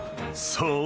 そう。